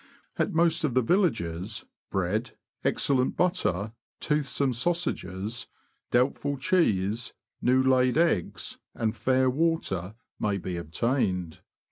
At most of the villages, bread, excellent butter, toothsome sausages, doubtful cheese, new laid eggs, and fair water, may be obtained.